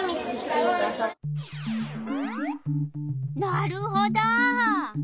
なるほど。